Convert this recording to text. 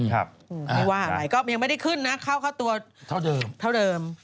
ไม่ว่ายังไม่ได้ขึ้นนะเข้าตัวเท่าเดิม